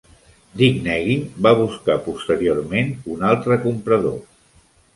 Dynegy va buscar posteriorment un altre comprador.